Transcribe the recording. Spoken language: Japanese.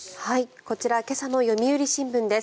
こちら今朝の読売新聞です。